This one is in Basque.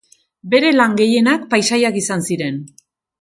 Bere lan gehienak paisaiak izan ziren.